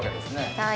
はい。